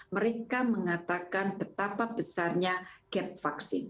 mereka mengatakan betapa besarnya gap vaksin